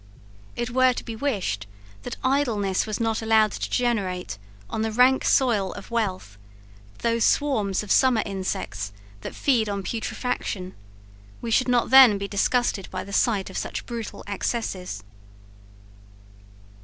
It were to be wished, that idleness was not allowed to generate, on the rank soil of wealth, those swarms of summer insects that feed on putrefaction; we should not then be disgusted by the sight of such brutal excesses.